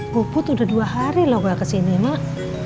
puput udah dua hari loh gak kesini mah